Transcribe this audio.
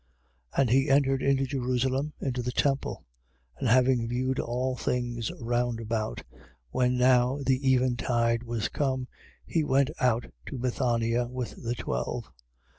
11:11. And he entered into Jerusalem, into the temple: and having viewed all things round about, when now the eventide was come, he went out to Bethania with the twelve.